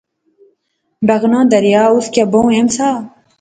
بغنا دریا ، اس کیا بہوں اہم سا